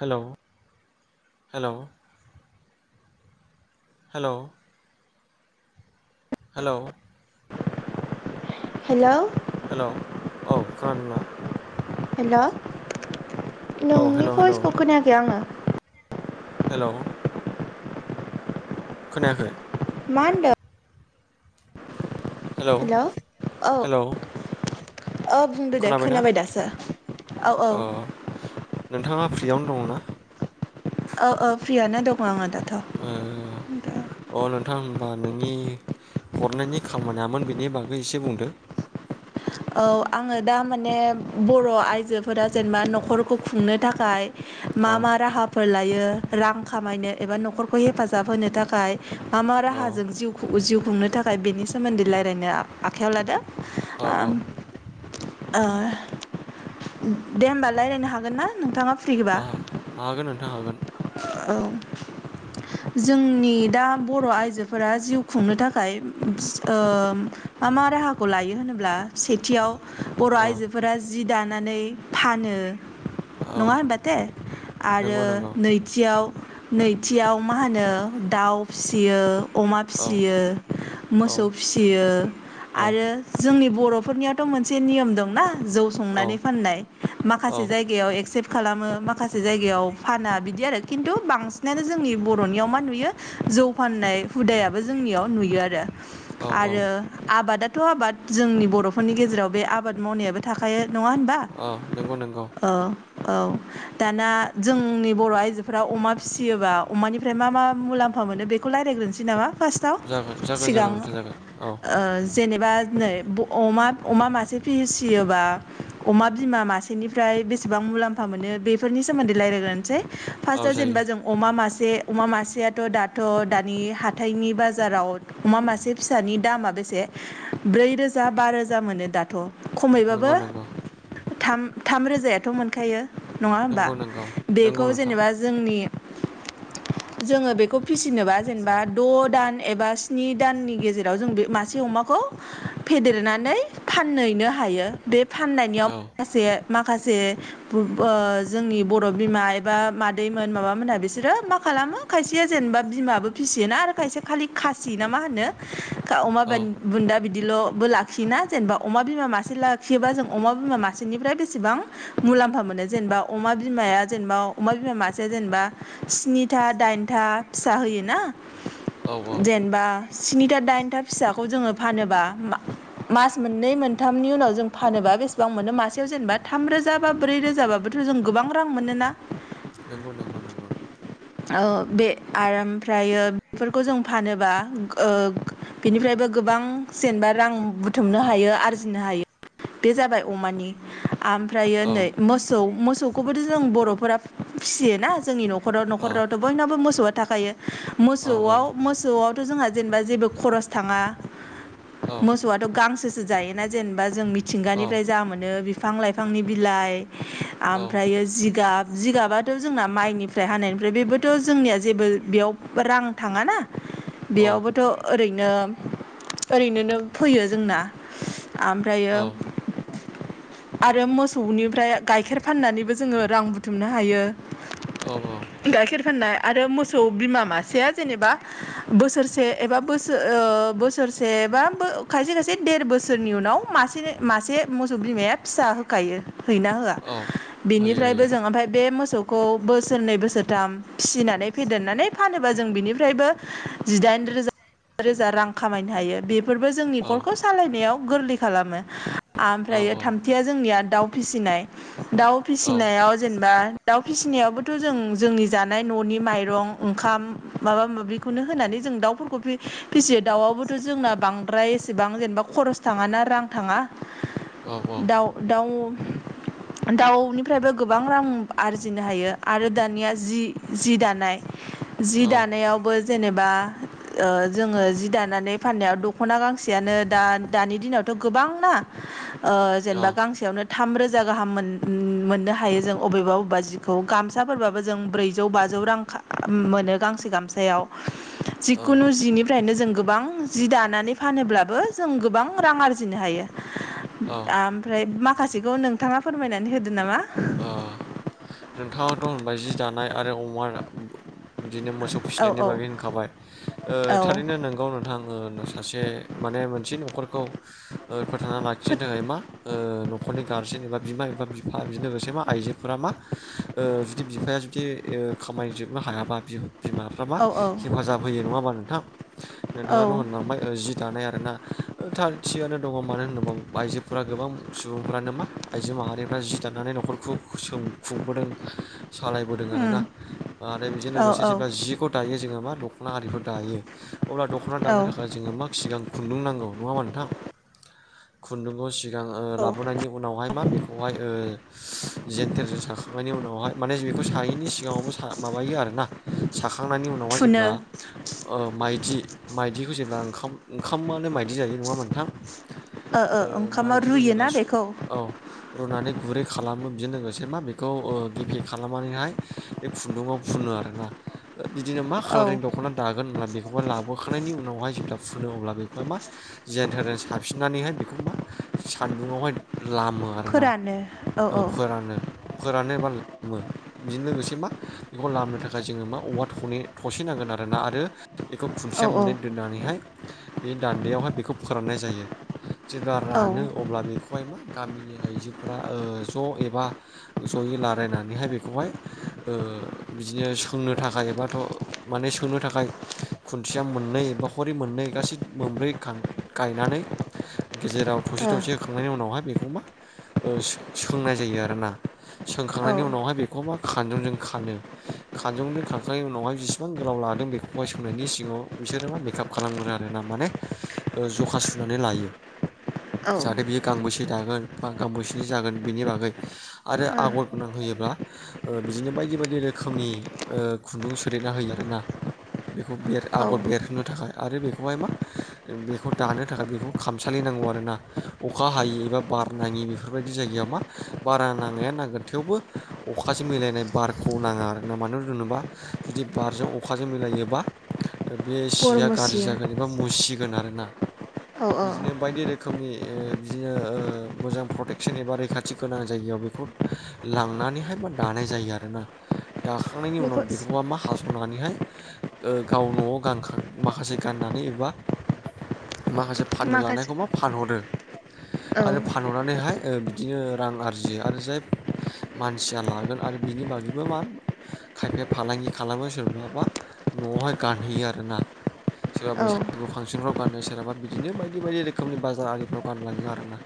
Hello hello hello hello hello hello औ खोनादोंना hello औ नोंनि हेलौ हेलौ भइसखौ खोनायाखै आङो हेलौ खोनायाखै? मा होनदों हेलौ हेल' औ हेलौ औ बुंदो दे खोनाबायना खोनाबाय दासो औ औ ओ नोंथाङा बेयावनो दङ ना ओ ओ फ्रियाना दङ आं दा ओ अ नोंथां होनबा नोंनि हरनायनि खामानियामोन बेनि बागै एसे बुंदो औ आङो दा माने बर' आइजोफोरा जेनेबा न'खरखौ खुंनो थाखाय मा औ मा राहाफोर लायो रां खामायनो एबा न'खरखौ हेफाजाब होनो थाखाय मा मा औ राहाजों जिउ खु जिउ खुंनो थाखाय बेनि सोमोन्दै रायलायनो आ आखायाव लादों औ औ ओ दे होमबा रायलायनो हागोन ना नोंथाङा आ फ्रिबा हागोन नोंथां हागोन औ जोंनि दा बर' आइजोफोरा जिउ खुंनो थाखाय फिस ओ मा मा राहाखौ लायो होनो ब्ला सेथियाव बर' औ आइजोफोरा जि दानानै फानो औ नङा होनबाथे आरो नंगौ नंगौ नैथियाव नैथियाव मा होनो दाउ फिसियो अमा औ फिसियो औ मोसौ फिसियो औ आरो जोंनि बर'फोरनियावथ' मोनसे नियम दंना जौ संनानै फाननाय औ माखासे जायगायाव एक्सेप्ट खालामो माखासे जायगायाव फाना बिदि आरो खिन्थु बांसिनानो जोंनि बर'नियाव मा नुयो जौ फाननाय हुदायाबो जोंनियाव नुयो आरो औ औ आरो आबादाथ' आबाद जोंनि बर'फोरनि गेजेराव बे आबाद मावनायाबो थाखायो। नङा होनबा औ नंगौ नंगौ ओ औ दाना जोंनि बर' आइजोफोरा अमा फिसियोबा अमानिफ्राय मा मा मुलाम फा मोनो बेखौ रायलायग्रोनोसै नामा फार्स्टआव जागोन जागोन सिगां जागोन नोंथां जागोन औ ओ जेनेबा नै अमा अमा मासे फिसियोबा अमा बिमा मासेनिफ्राय बेसेबां मुलाम्फा मोनो बेफोरनि सोमोन्दै रायज्लायग्रोनोसै। औ फार्स्टआव जायो जेनेबा जों अमा मासे। जे अमा मासेयाथ' दाथ' दानि हाथायनि बाजाराव अमा मासे फिसानि दामा बे ब्रै रोजा बा रोजा मोनो दाथ' खमैबाबो। नंगौ नंगौ थाम थाम रोजायाथ' मोनखायो नङा होमबा नंगौ नंगौ नंगौ बेखौ नोंथां जेनेबा जोंनि। जोंङो बेखौ फिसिनोबा जेनेबा द' दान एबा स्नि दाननि गेजेराव जों बे मासे अमाखौ फेदेरनानै फानहैनो हायो बे फाननायनियाव औ माखासे माखासे जोंनि बर'बिमा एबा मादैमोन माबामोनहा बिसोरो माखासे खालामो खायसेया जेनेबा बिमायाबो फिसियोना आरो खायसेया खालि खासि ना मा होनो। अमा औ बुन्दा। बिदिल'बो लाखियो ना जेनेबा अमा बिमा मासे लाखियोबा जों अमा बिमा मासेनिफ्राय बेसेबां मुलाम्फा मोनो जेनेबा अमा बिमाया जेनेबा अमा बिमा मासेया जेनेबा स्निथा दाइनथा। स्निथा दाइनथा फिसा होयोना औ औ जेनबा स्निथा दाइनथा फिसाखौ जोंङो फानोबा मास मोननै मोनथामनि उनाव जों फानोबा बेसेबां मोनो मासेयाव जेनेबा थाम रोजा रोजा बा ब्रै रोजाबोथ' जों गोबां रां मोनो ना। नंगौ नंगौ नंगौ ओ बे आराम ओमफ्रायो बेफोरखौ जों फानोबा ओ बिनिफ्रायबो गोबां जेनबा रां बुथुमनो हायो आरजिनो हायो बे जाबाय अमानि ओमफ्रायो औ नै मोसौ मोसौखौबोथ'जों बर'फोरा फिसियोना जोंनि नखराव। नख'राव औ नखरावथ' बयनावबो मोसौआ थाखायो औ मोसौआव मोसौआवथ' जोंहा जेनेबा जेबो खरस थांङा औ मोसौआथ' गांसोसो जायोना जेनेबा जों औ मिथिंगानिफ्राय जा मोनो बिफां-लाइफांनि बिलाइ। ओमफ्रायो जिगाब जिगाबाथ' जोंना माइनिफ्राय हानायनिफ्राय बेबोथ जोंनिया जेबो बेयाव रां थाङाना बेयावबोथ' ओरैनो ओरैनो नो फैयो जोंना ओमफ्रायो। औ आरो मोसौनिफ्राय गाइखेर फाननानैबो जोंङो रां बुथुमनो हायो। औ गायखेर फाननाया। आरो मोसौ बिमा मासेया जेनेबा बोसोरसे एबा बोसोर ओ बोसोरसे बा खायसे खायसे देर बोसोरनि उनाव मासे मासे मोसौ बिमाया फिसा होखायो होयो ना होआ औ होयो बेनिफ्रायबो होयो जों ओमफ्राय बे मोसौ मोसौखौ बोसोरनै बोसोरथाम फिनानै फेदेरनानै फानोबा जों बिनिफ्रायबो जिदाइन दाइन रोजा बा रोजा रां मोनो। खामायनो हायो बेफोरबो जोंनि औ न'खरखौ सालायनायाव गोरलै खालामो औ ओमफ्रायो थामथिया जों दाव फिसिनाय दाव औ फिसिनायाव जेनबा दाव फिसिनायावबोथ' जों जोंनि। जानाय न'नि माइरं ओंखाम माबा माबिखौनो होनानै जों दाउफोरखौ फिसियो। दाउआबोथ' जोंना बांद्राय एसेबां जेनेबा खरस थांङा ना रां थांङा। दाउ दाउ। दाउनिफ्रायबो गोबां रां आरजिनो हायो आरो दानिया जि जि दानाय। जि औ दानायावबो जेनेबा ओ जोंङो। दानानै फाननायाव द'खना गांसेयानो दा दानि दिनावथ गोबांना। ओ जेनेबा गांसेयावनो। थाम रोजा गाहाम मोननो हायो जों अबेबा बबेबा जिखौ गामसाफोरबाबो जों ब्रैजौ बाजि। बाजौ रां खा मोनो गांसे गामसायाव जिखुनु जिनिफ्रायनो जों गोबां जि दानानै फानोब्लाबो जों गोबां रां आरजिनो हायो। औ ओमफ्राय माखासेखौ नोंथांङा फोरमायनानै होदो नामा? औ ओ नोंथाङाथ होनबाय जि दानाय आरो अमा बिदिनो मोसौ औ फिसिनायनि औ बागै होनखाबाय औ थारैनो नंगौ नोंथां ओ सासे माने मोनसे न'खरखौ ओ फोथांना लाखिनो थाखाय मा ओ न'खरनि गारजेन एबा बिमा एबा बिफा बिनो लोगोसे मा आइजोफोरा मा ओ जुदि बिफाया जुदि खामानिजोबनो हायाबा बि बिमाफ्राबा औ औ हेफाजाब होयो नङाबा नोंथां औ नोंथाङाथ' होनलांबाय जि दानाय आरोना ओ थारथियानो दङ मानो होनोबो आइजोफोरा गोबां सुबुंफ्रानो मा आइजो माहारिफ्रा जि दानानै न'खरखौ खुसुं खुंबोदों सालायबोदों उम आरोना आरो बेजों औ लोगोसे औ जेब्ला जिखौ दायो जोङो मा दख दख'ना आरिफोर दायो अब्ला दख'ना औ दानो थाखाय जोङो मा सिगां खुन्दुं नांगौ नङा होनबा नोंथां खुन्दुंखौ सिग गां औ लाबोनायनि उनावहाय मा बेखौहाय ओ जेन्थेरजों साखांनायनि उनावहाय माने बेखौ सायैनि सिगाङावबो माबायो आरोना साखा खांनायनि उनावहाय थुनो जेब्ला ओ माइदि माइदिखौ जेब्ला ओंखाम ओंखामानो माइद दि जायो नङा होनबा नोंथां ओ ओंखामाव माइदिखौ जेब्ला रुयोना स बेखौ औ रुनानै गुरै खालामो बेजों लोगोसे मा बे खौ गेफे खालामनानैहाय बे खुन्दुङाव फुनो आरोना बिदिनो मा औ कालारिं दख'ना दागोन होनब्ला ब बेखौहाय लाबोखांनि उनावहाय जेब्ला फुनो अब्ला बेखौहाय मा जेनथेरजों साबफिननानैहाय बेखौ मा सान्दुङावहाय लामो आरोना फोरानो औ ओ औ फोरानो। रानो एबा लामो बिजोंनो लोगोसे मा बेखौ लामनो थाखाय जोङो मा औवा थनै थसेनांगोन आरोना। आरो बेखौ औ खुन्थिया मोननै दोननानैहाय बे दान्दैयावहाय बेखौ फोराननाय जायो। जेब्ला ओ रानो अब्ला बेखौहाय मा गामिनि आइजोफोरा ज' एबा जयै रायलायनानैहाय बेखौहाय बिदिनो सोंनो थाखाय एबाथ' माने सोंनो थाखाय खुन्थिया मोननै एब बा हरै मोननै गासै मोनब्रै गायनानै [unintelligible] गेजेराव थसे औ थसे होखांनायनि उनावहाय बेखौ मा सोंनाय जायो आरोना। औ सोंखांनायनि उनावहाय बेखौ मा। खानजंजों खानो खानजंजों खाखांनायनि उनावहाय जेसिबां गोलाव लादों बेखौहाय सोंनायनि सिगाङाव बिसोरो मा मेकआप खालामग्रो आरो ना माने जखा सुनानै लायो। ओ जाहाथे बियो गांबेसे दागोन बा गांबेसेनि जागोन बेनि बागै आरो आगर गोनां होयोब्ला बिदिनो बायदि बायदि रोखोमनि खुन्दुं सोदेरना होयो आरो। ना बेखौ औ आगर बेरहोनो थाखाय आरो बेखौहाय मा बेखौ दानो थाखाय बेखौ खामसालि नांगौ आरोना अखा हायि एबा बार नाङि बेफोरबायदि जायगायाव मा बारा नांगोन थेवबो अखा मिलायनाय बारखौ नाङा आरो ना मानो होनोबा जुदि बारजों अखाजों मिलायोबा बे सिया गाज्रि गरमसियो जागोन एबा मुसिगोन आरोना औ औ बिदिनो बायदि रोखोमनि बिदिनो मोजां प्रटेकसन एबा रैखाथि गोनां जायगायाव बेखौ लांनानैहाय दानाय जायो आरोना दाखांनायनि उनाव बेखौ बेखौहा मा हा सनानैहाय गाव न'आव गानखां माखासे गाननानै एबा माखासे फाननो माखासे लानायखौ मा फानहरो औ आरो फानहरनानैहाय बिदिनो रां आरजियो आरो जाय मानसिया लागोन आरो बिनि बागैबो मा खायफाया फालांगि खालामो सोर बाबा न'आवहाय गानहैयो आरोना सोरबा औ बैसागु फांसनाव गाननो सोरहाबा बिदिनो बायदि बायदि रोखोमनि बाजार आरिफ्राव गानलाङो आरोना।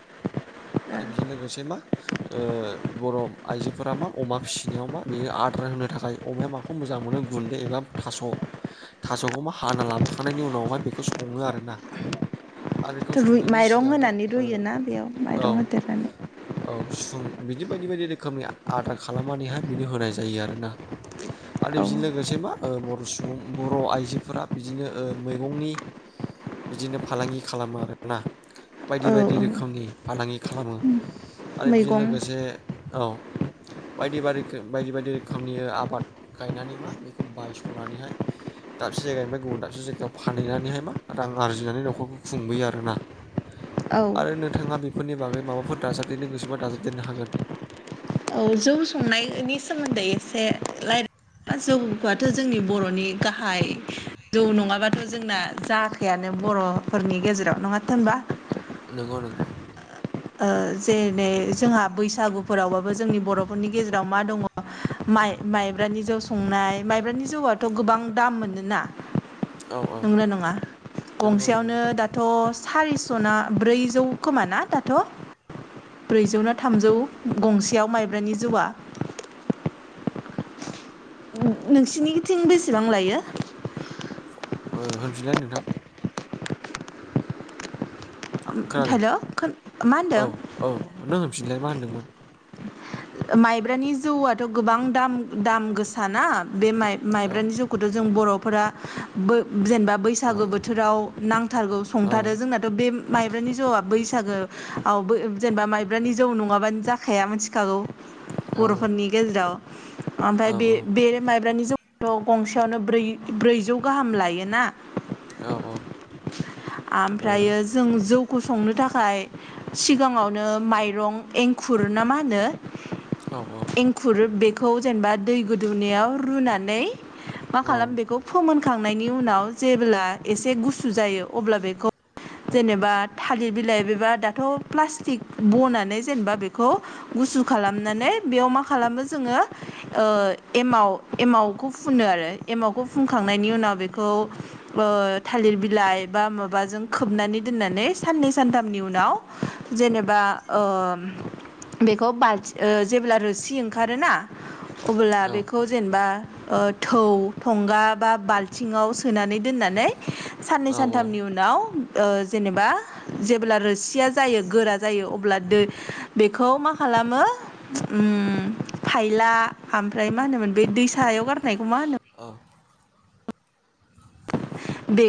आरो बेजों लोगोसे मा ओ बर' आइजोफोरा मा, अमा फिसिनायाव मा बेयो आदार होनो थाखाय अमाया माखौ मोजां मोनो। गुन्दै एबा थास'। थास'खौबा हाना लाबोखांनायनि उनावहाय बेखौ सङो आरोना। आरो बेखौ रुय- संनायनि माइरं सिगां मा होनानै रुयोना ओ बेयाव माइरं होदेरनानै। ओं बिदि बायदि -बायदि रोखोमनि आदार खालामनानैहाय। बिनो होनाय जायो आरोना। आरो औ बिजों लोगोसे मा, बर सुबुं बर आइजोफोरा बिदिनो ओ मैगंनि बिदिनो फालांगि खालामो आरोना। बायदि- औ बायदि औ रोखोमनि फालांगि खालामो। आरो बेजों मैगं लोगोसे औ। बायदि [unintelligible] बायदि -बायदि रोखोमनि आबाद गायनानै मा बेखौ बायसनानैहाय दाबसे जायगानिफ्राय गुबुन दाबसे जायगायाव फानहैनानैहाय मा रां आरजिनानै नखरखौ खुंबोयो आरोना। औ आरो नोंथाङा बेफोरनि बागै माबाफोर दाजाबदेरनो गोसोबा दाजाबदेरनो हागोन। औ जौ संनायनि सोमोन्दै एसे रायलाय जौ आथ' जोंनि बर'नि गाहाय। जौ नङाबाथ' जोंना जाखायानो। बर'फोरनि गेजेराव नङा थो होनबा? नोगौ नोंगौ। ओ जेरै जोंहा, बैसागुफोरावबाबो जोंनि बर'फोरनि गेजेराव मा दङ माइ -माइब्रानि जौ संनाय, माइब्रानि जौआथ' गोबां दाम मोनोना। औ औ नंगोना नङा नंगौ नंगौ गंसेयावनो थारैनो दाथ' सारिस' ना ब्रैजौ खोमा ना दा? [unintelligible] ब्रैजौना थामजौ गंसेयाव माइब्रानि जौआ? नोंसिनिथिं बेसेबां लायो? ओ होनफिनलाय नोंथां। खोनादो। हेल' मा औ होनदों औ, नों होनफिनलाय मा होनदोंमोन। माइब्रानि जौआथ' गोबां दाम -दाम गोसााना। बे माइ औ -माइब्रानि जौखौथ' जों बर'फोरा [unintelligible] जेनेबा औ बैसागु बोथोराव नांथारगौ, औ संथारो जोंनाथ' बे माइब्रानि जौआ बैसागोआवबो, जेनेबा माइब्रानि जौ नङाबानो जाखाया मिथिखागौ। औ बर'फोरनि गेजेराव ओमफ्राय औ बे- बे माइब्रानि जौखौथ' गंसेयावनो ब्रै- ब्रैजौ गाहाम लायोना। औ औ ओमफ्रायो, जों जौखौ संनो थाखाय सिगाङावनो माइरं एंखुर ना मा होनो? एंखुर बे [unintelligible] जेनेबा दै गोदौनायाव रुनानै मा खालामो बेखौ फोमोन खांनायनि उनाव, जेब्ला एसे गुसु जायो अब्ला बेखौ जेनेबा थालिर बिलाइ बेबा दाथ' प्लास्टिक बनानै जेनेबा बेखौ गुसु खालामनानै बेयाव मा खालामो जोङो। ओ एमाव- एमावखौ फुनो आरो। एमावखौ फुनखांनायनि उनाव बेखौ ओ थालिर बिलाइ बा माबाजों खोबनानै [unintelligible] दोनानै साननै सानथामनि उनाव जेनेबा अ बेखौ [unintelligible] ओ, जेब्ला रोसि ओंखारोना। अब्ला बेखौ जेनेबा ओ, थौ, थंगा बा बाल्थिंआव सोनानै दोननानै साननै औ सानथामनि उनाव ओ, जेनेबा जेब्ला रोसिया जायो गोरा जायो। अब्ला दो बेखौ मा खालामो खालामो ओम फायला ओमफ्राय मा होनोमोन बे दैसायाव गारनायखौ मा होनो [unintelligible] बे